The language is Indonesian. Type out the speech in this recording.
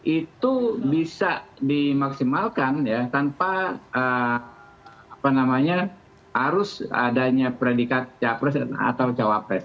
itu bisa dimaksimalkan tanpa harus adanya predikat capres atau cawapres